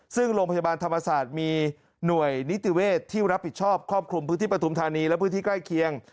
ซึ่งโรงพยาบาลธรรมศาสตร์มีหน่วยนิติเวศที่รับผิดชอบครอบคลุมพื้นที่ปฐุมธานีและพื้นที่ใกล้เคียง